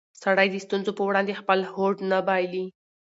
سړی د ستونزو په وړاندې خپل هوډ نه بایلي